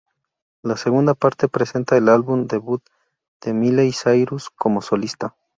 La segunda parte presenta el álbum debut de Miley Cyrus como solista.